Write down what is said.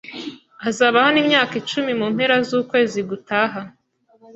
Azaba hano imyaka icumi mu mpera zukwezi gutaha.